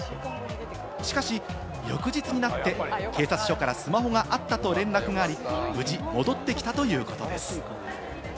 しかし、翌日になって、警察署からスマホがあったと連絡があり、無事戻ってきたということです。